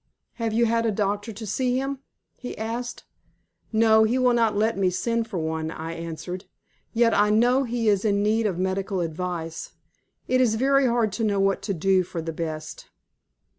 "Have you had a doctor to see him?" he asked. "No; he will not let me send for one," I answered. "Yet I know he is in need of medical advice. It is very hard to know what to do for the best."